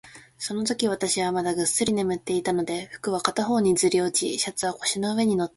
そのとき、私はまだぐっすり眠っていたので、服は片方にずり落ち、シャツは腰の上に載っていました。